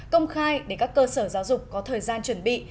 công khai để các cơ sở giáo dục có thời gian chuẩn bị